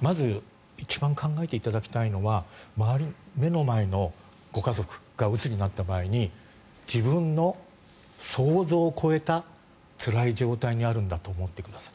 まず一番考えていただきたいのは目の前のご家族がうつになった場合に自分の想像を超えたつらい状態にあるんだと思ってください。